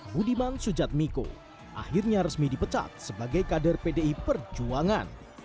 budiman sujatmiko akhirnya resmi dipecat sebagai kader pdi perjuangan